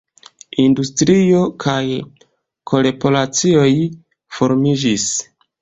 Industrio kaj korporacioj formiĝis.